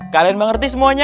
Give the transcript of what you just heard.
kalian mengerti semuanya